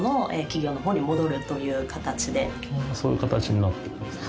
そういう形になってるんですね。